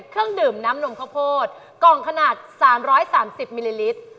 เครื่องดื่มน้ำนมข้าวโพดกล่องขนาด๓๓๐มิลลิลิตร